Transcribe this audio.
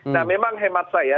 nah memang hemat saya